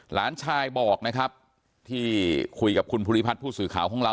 หลานชายบอกนะครับที่คุยกับคุณภูริพัฒน์ผู้สื่อข่าวของเรา